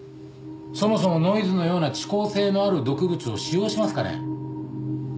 そもそもノイズのような遅効性のある毒物を使用しますかね？